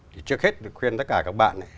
thì trước hết khuyên tất cả các bạn